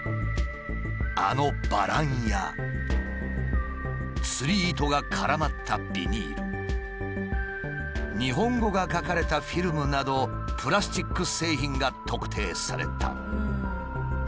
あのバランや釣り糸が絡まったビニール日本語が書かれたフィルムなどプラスチック製品が特定された。